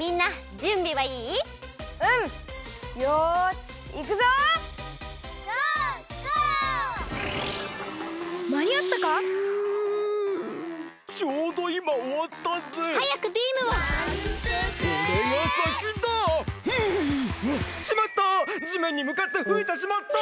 じめんにむかってふいてしまった！